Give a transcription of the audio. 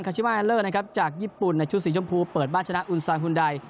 ชิมาแอลเลอร์นะครับจากญี่ปุ่นในชุดสีชมพูเปิดบ้านชนะอุณซางฮุนได